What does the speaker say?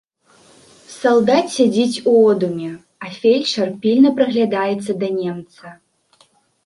Салдат сядзіць у одуме, а фельчар пільна прыглядаецца да немца.